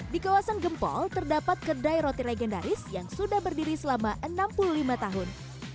di kawasan gempol terdapat kedai roti legendaris yang sudah berdiri selama enam puluh lima tahun